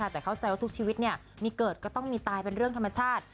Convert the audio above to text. แต่เข้าใจว่าทุกชีวิตมีเกิดก็ต้องมีตายเป็นเรื่องธรรมชาติ